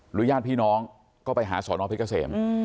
หรือย่านพี่น้องก็ไปหาสอน้องเพชรเกษม